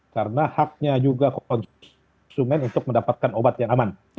karena haknya juga konsumen untuk mendapatkan obat yang aman